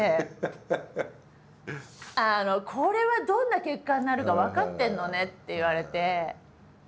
「これはどんな結果になるか分かってるのね？」って言われて。